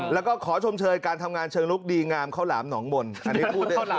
แล้วก็ขอชมเชยการทำงานเชิงลูกดีงามเข้าหลามหนองมนต์